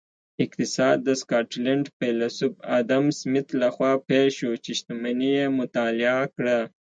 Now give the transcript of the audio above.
اقتصاد د سکاټلینډ فیلسوف ادم سمیت لخوا پیل شو چې شتمني یې مطالعه کړه